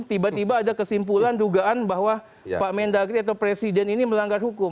tiba tiba ada kesimpulan dugaan bahwa pak mendagri atau presiden ini melanggar hukum